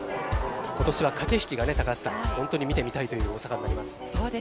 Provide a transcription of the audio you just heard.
今年は駆け引きが本当に見てみたいという大阪になります。